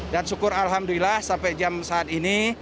dan syukur alhamdulillah sampai jam saat ini